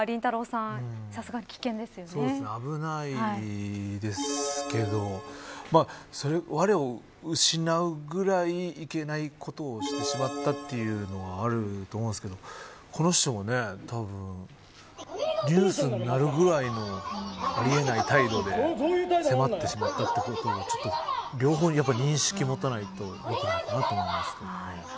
さん危ないですけどわれを失うぐらいいけないことをしてしまったというのはあると思うんですけどこの人もたぶんニュースになるぐらいのありえない態度で迫ってしまったということも両方、認識持たないちいけないかなと思いますけどね。